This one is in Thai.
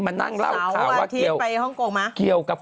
มันไม่เร็วนะครับ